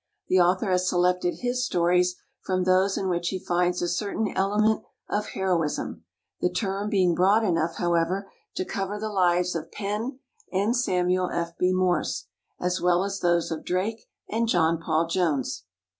The author has selected his stories from those in which he finds a certain element of heroism, the term being broad enough, however, to cover the lives of Penn and Samuel F. B. Morse, as well as those of Drake and John Paul Jones.